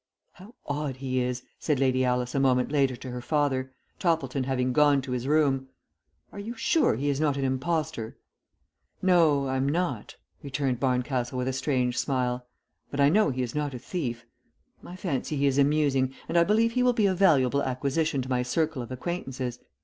"How odd he is," said Lady Alice a moment later to her father, Toppleton having gone to his room. "Are you sure he is not an impostor?" "No, I'm not," returned Barncastle with a strange smile; "but I know he is not a thief. I fancy he is amusing, and I believe he will be a valuable acquisition to my circle of acquaintances.